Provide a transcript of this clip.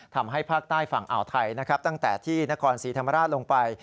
ทำให้ภาคใต้ฝั่งอ่าวไทยนะครับตั้งแต่ที่นครศรีธรรมราชลงไป